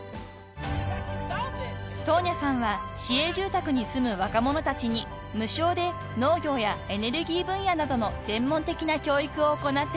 ［トーニャさんは市営住宅に住む若者たちに無償で農業やエネルギー分野などの専門的な教育を行っています］